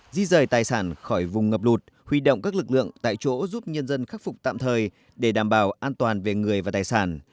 di rời tài sản khỏi vùng ngập lụt huy động các lực lượng tại chỗ giúp nhân dân khắc phục tạm thời để đảm bảo an toàn về người và tài sản